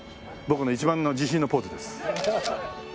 僕の一番の自信のポーズです。